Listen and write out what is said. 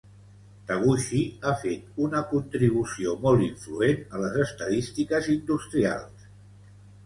Taguchi ha fet una contribució molt influent a les estadístiques industrials.